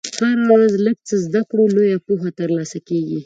هره ورځ لږ څه زده کړه، لویه پوهه ترلاسه کېږي.